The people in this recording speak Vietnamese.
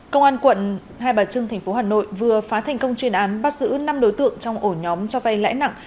công an quận hai bà trưng tp hà nội vừa phá thành công chuyên án bắt giữ năm đối tượng trong ổ nhóm cho vay lãi nặng